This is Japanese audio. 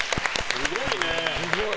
すごいね。